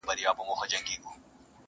زاړه خلک چوپتيا خوښوي ډېر